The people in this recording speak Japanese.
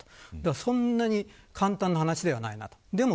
そんなに簡単な話ではないなと思います。